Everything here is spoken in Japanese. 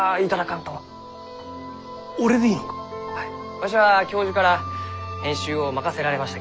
わしは教授から編集を任せられました